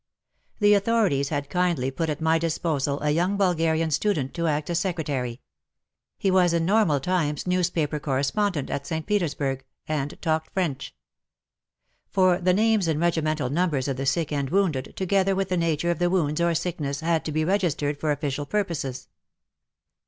The authorities had kindly put at my disposal a young Bulgarian student to act as secretary. He was, in normal times, news paper correspondent at St. Petersburg, and talked French. For the names and regi mental numbers of the sick and wounded, together with the nature of the wounds or sickness, had to be registered for official purposes.